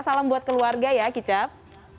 salam buat keluarga ya kicap